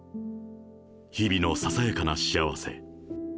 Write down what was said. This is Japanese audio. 日々のささやかな幸せ。